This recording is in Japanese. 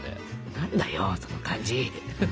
何だよその感じ！